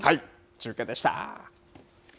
中継でした。